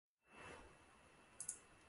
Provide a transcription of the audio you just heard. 我们上车